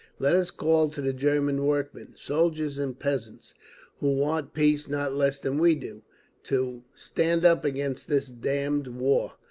Let us call to the German workmen, soldiers and peasants, who want peace not less than we do, to… stand up against this damned war!